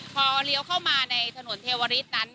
พอเลี้ยวเข้ามาในถนนเทวริสนั้น